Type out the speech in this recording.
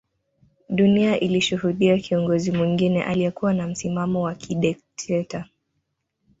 Dunia ilishuhudia kiongozi mwingine aliyekuwa na msimamo wa kidekteta